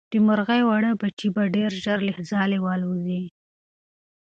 د مرغۍ واړه بچي به ډېر ژر له ځالې والوځي.